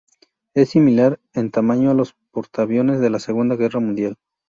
Es similar en tamaño a los portaaviones de la Segunda Guerra Mundial.